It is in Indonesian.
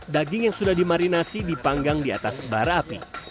daging yang sudah dimarinasi dipanggang di atas bara api